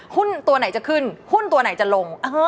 หุ้นตัวไหนจะขึ้นหุ้นตัวไหนจะลง